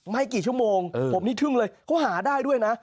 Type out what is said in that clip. ไม่กี่ชั่วโมงผมนี่ทึ่งเลยเขาหาได้ด้วยนะ